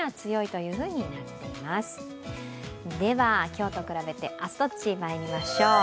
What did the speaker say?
今日と比べて明日どっち、まいりましょう。